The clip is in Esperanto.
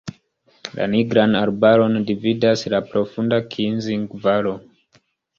La Nigran arbaron dividas la profunda Kinzig-valo.